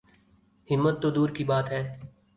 ہمت تو دور کی بات ہے۔